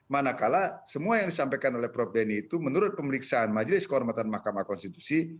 manakala semua yang disampaikan oleh prof denny itu menurut pemeriksaan majelis kehormatan mahkamah konstitusi